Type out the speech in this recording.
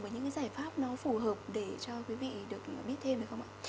những cái giải pháp nó phù hợp để cho quý vị được biết thêm được không ạ